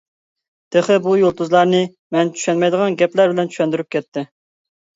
تېخى بۇ يۇلتۇزلارنى مەن چۈشەنمەيدىغان گەپلەر بىلەن چۈشەندۈرۈپ كەتتى.